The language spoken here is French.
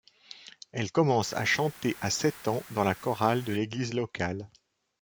Elle commence à chanter à sept ans dans la chorale de l'église locale.